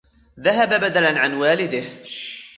ذهب بدلاً عن والده.